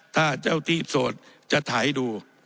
ถ้าเจ้าทีสวดจะมาไหล่ดู